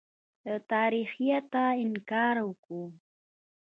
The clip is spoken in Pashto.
له تاریخیته انکار وکوو.